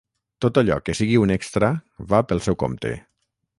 Tot allò que sigui un extra, va pel seu compte.